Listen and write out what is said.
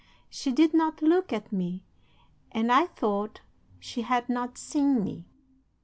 She did not look at me, and I thought she had not seen me.